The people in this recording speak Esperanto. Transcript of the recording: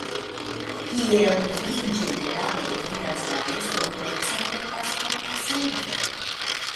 Kiel vi ĝenerale vidas la estontecon de Pasporta Servo?